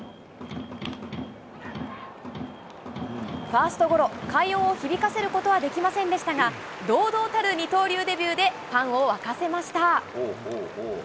ファーストゴロ、快音を響かせることはできませんでしたが、堂々たる二刀流デビューで、ファンを沸かせました。